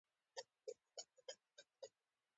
د یوه غوث قبر دی.